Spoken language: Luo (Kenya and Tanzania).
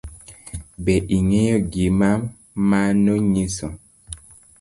Be ing'eyo gima mano nyiso?